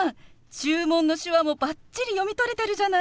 注文の手話もバッチリ読み取れてるじゃない。